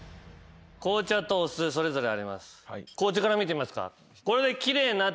紅茶とお酢それぞれあります。